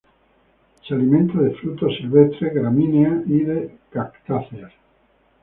Se alimenta de frutos silvestres, gramíneas, y de cactáceas.